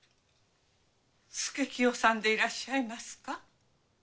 佐清さんでいらっしゃいますか？